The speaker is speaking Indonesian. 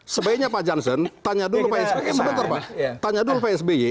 sebaiknya pak janssen tanya dulu pak sby